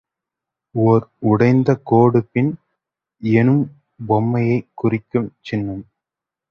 ஓர் உடைந்த கோடு பின், எனும் பெண்மையைக் குறிக்கும் சின்னம்.